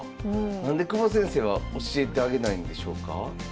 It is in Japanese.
何で久保先生は教えてあげないんでしょうか？